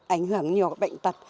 ảnh hưởng nhiều bệnh tật